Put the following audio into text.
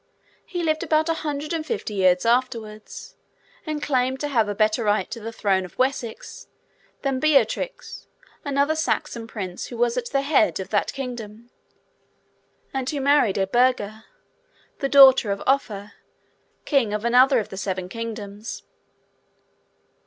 He lived about a hundred and fifty years afterwards, and claimed to have a better right to the throne of Wessex than Beortric, another Saxon prince who was at the head of that kingdom, and who married Edburga, the daughter of Offa, king of another of the seven kingdoms.